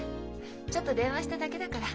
ちょっと電話しただけだから。